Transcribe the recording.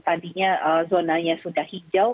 tadinya zonanya sudah hijau